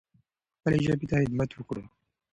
خپلې ژبې ته خدمت وکړو.